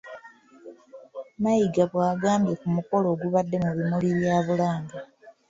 Mayiga bw'agambye ku mukolo ogubadde mu bimuli bya Bulange.